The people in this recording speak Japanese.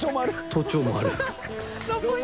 都庁もある。